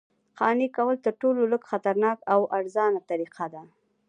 قانع کول تر ټولو لږ خطرناکه او ارزانه طریقه ده